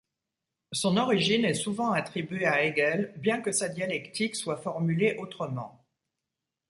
Son origine est souvent attribuée à Hegel bien que sa dialectique soit formulée autrement.